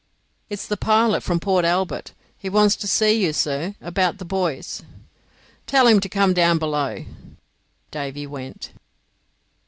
"It's the pilot from Port Albert. He wants to see you, sir, about the buoys." "Tell him to come down below." Davy went.